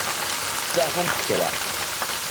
Steɛfumt kra.